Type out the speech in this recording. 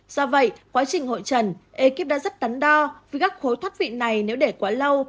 do vậy quá trình hội trần ekip đã rất tắn đo vì các khối thoát vị này nếu để quá lâu